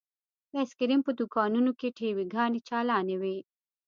د ايسکريم په دوکانونو کښې ټي وي ګانې چالانې وې.